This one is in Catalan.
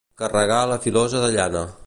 Carregar la filosa de llana.